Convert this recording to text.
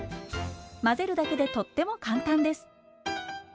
混ぜるだけでとっても簡単です。